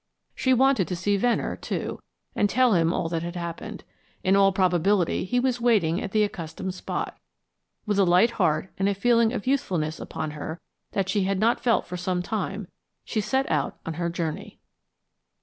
She wanted to see Venner, too, and tell him all that had happened. In all probability he was waiting at the accustomed spot. With a light heart and a feeling of youthfulness upon her that she had not felt for some time, she set out on her journey.